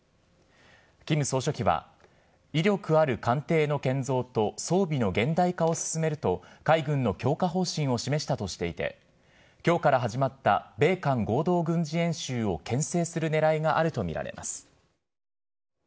キム総書記は、威力ある艦艇の建造と装備の現代化を進めると、海軍の強化方針を示したとしていて、きょうから始まった米韓合同軍事演習をけん制するねらいがあると見られます。